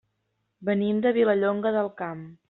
Venim de Vilallonga del Camp.